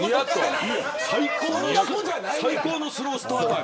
最高のスロースターター。